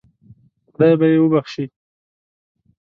خدای به یې وبخشي.